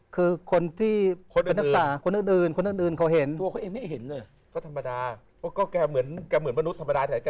คือคนที่ประดั